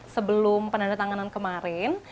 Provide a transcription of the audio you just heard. sebelum penandatanganan kemarin